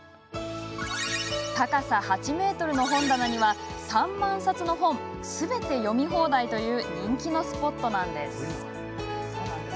高さ８ｍの本棚には３万冊の本すべて読み放題という人気のスポットなんです。